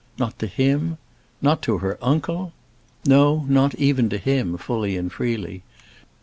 Not to him? Not to her uncle? No, not even to him, fully and freely.